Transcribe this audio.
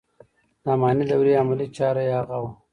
د اماني دورې عملي چاره یې هغه و.